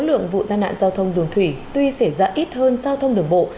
số lượng vụ tai nạn giao thông đường thủy tuy xảy ra ít hơn giao thông đường bộ